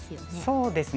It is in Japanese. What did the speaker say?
そうですね。